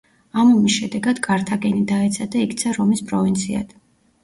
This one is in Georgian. ამ ომის შედეგად კართაგენი დაეცა და იქცა რომის პროვინციად.